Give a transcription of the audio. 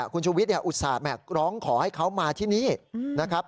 คุณชูวิทย์อุตส่าห์ร้องขอให้เขามาที่นี่นะครับ